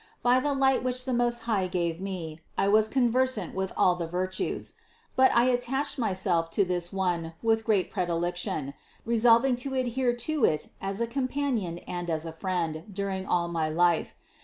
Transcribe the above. By the light which the Most High gave me, I was conversant with all the virtues; but I attached my self to this one with great predilection, resolving to ad here to it as a companion and as a friend during all my life.